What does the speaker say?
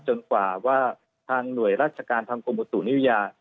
จนกว่าทางหน่วยรัชการทางครมศุนิยา